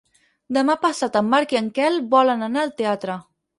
Demà passat en Marc i en Quel volen anar al teatre.